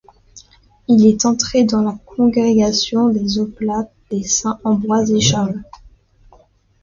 Il est entré dans la Congrégation des oblats des saints Ambroise et Charles.